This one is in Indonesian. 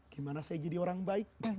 gimana saya jadi orang baik